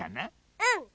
うん！